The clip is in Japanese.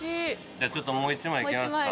じゃあちょっともう１枚いきますか。